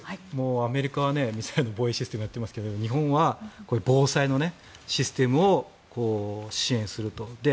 アメリカはミサイルの防衛システムをやっていますが日本は防災のシステムを支援すると。